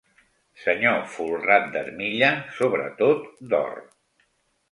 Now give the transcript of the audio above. Senyor folrat d'armilla, sobretot d'or.